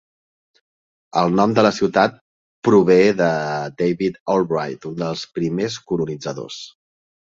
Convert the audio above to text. El nom de la ciutat prové de David Albright, un dels primers colonitzadors.